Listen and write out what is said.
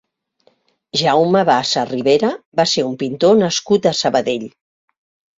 Jaume Bassa Ribera va ser un pintor nascut a Sabadell.